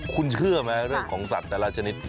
คุณเชื่อไหมเรื่องของสัตว์แต่ละชนิด